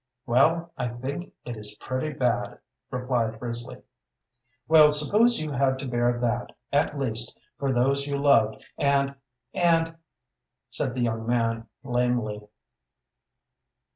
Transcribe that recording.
"Well, I think it is pretty bad," replied Risley. "Well, suppose you had to bear that, at least for those you loved, and and " said the young man, lamely.